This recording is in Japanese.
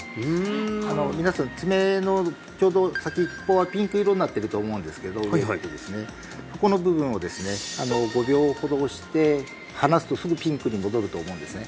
皆さん爪のちょうど先っぽはピンク色になってると思うんですけどここの部分をですね５秒ほど押して離すとすぐピンクに戻ると思うんですね